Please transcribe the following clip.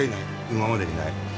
今までにない。